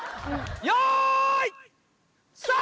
よい！